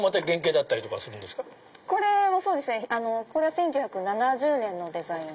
１９７０年のデザイン。